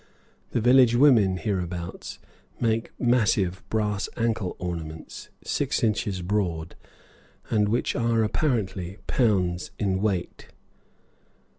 The village women hereabouts wear massive brass ankle ornaments, six inches broad, and which are apparently pounds in weight.